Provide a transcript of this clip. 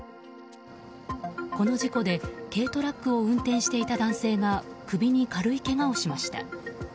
この事故で軽トラックを運転していた男性が首に軽いけがをしました。